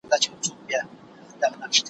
ملګري هم سر نه خلاصوي.